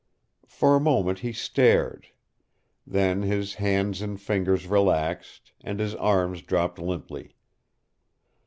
For a moment he stared; then his hands and fingers relaxed, and his arms dropped limply.